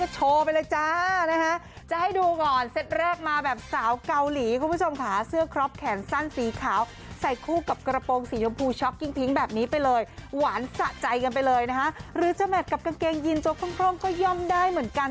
ใจกันไปเลยนะฮะหรือจะแมตกับกางเกงยินโจ๊กคล่องก็ยอมได้เหมือนกัน